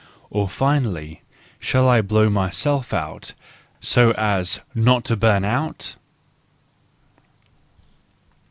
Or finally, shall I blow myself out, so as not to bum out